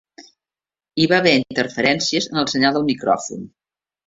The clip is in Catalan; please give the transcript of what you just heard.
Hi va haver interferències en el senyal del micròfon.